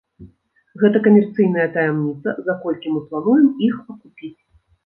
Гэта камерцыйная таямніца, за колькі мы плануем іх акупіць.